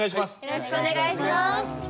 よろしくお願いします。